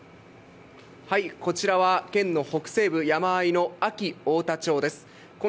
こちらは県の北西部、山あいの安芸太田町です。